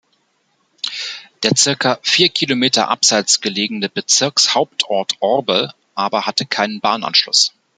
Der circa vier Kilometer abseits gelegene Bezirkshauptort Orbe aber hatte keinen Bahnanschluss.